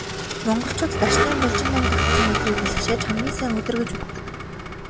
Монголчууд Дашням, Балжинням давхацсан өдрийг бэлгэшээж хамгийн сайн өдөр гэж үздэг.